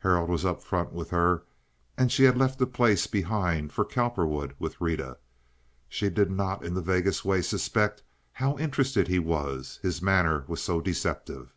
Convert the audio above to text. Harold was up in front with her and she had left a place behind for Cowperwood with Rita. She did not in the vaguest way suspect how interested he was—his manner was so deceptive.